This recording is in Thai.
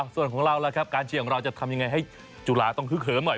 ส่วนของเราล่ะครับการเชียร์ของเราจะทำยังไงให้จุฬาต้องฮึกเหิมหน่อย